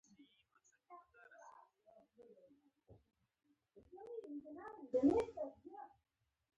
كليوالو د خاورو په کوټو کښې عزيزان لټول.